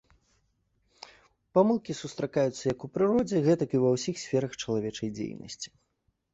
Памылкі сустракаюцца як у прыродзе, гэтак і ва ўсіх сферах чалавечай дзейнасці.